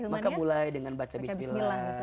maka mulai dengan baca bismillah